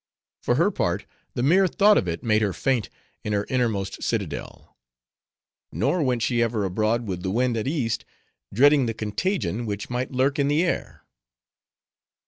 For her part, the mere thought of it made her faint in her innermost citadel; nor went she ever abroad with the wind at East, dreading the contagion which might lurk in the air.